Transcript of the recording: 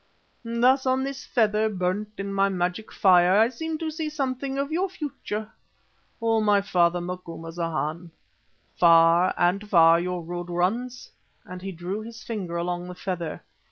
Thus on this feather, burnt in my magic fire, I seem to see something of your future, O my father Macumazana. Far and far your road runs," and he drew his finger along the feather.